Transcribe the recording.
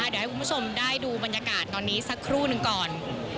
เดี๋ยวให้คุณผู้ชมได้ดูบรรยากาศตอนนี้สักครู่หนึ่งก่อน